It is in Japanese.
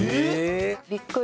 えっ！